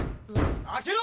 ・開けろ！